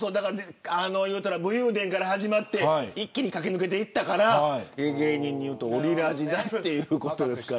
武勇伝から始まって一気に駆け抜けていったから芸人でいうとオリラジだということです。